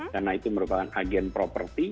karena itu merupakan agen properti